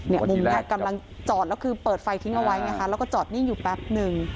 มุมนี้กำลังจอดแล้วคือเปิดไฟทิ้งเอาไว้ไงคะแล้วก็จอดนิ่งอยู่แป๊บหนึ่ง